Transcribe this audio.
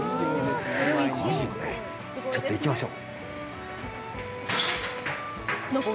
ちょっと、行きましょう。